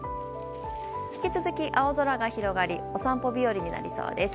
引き続き青空が広がりお散歩日和になりそうです。